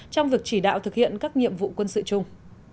trong việc chỉ đạo thực hiện các nhiệm vụ quân sự chung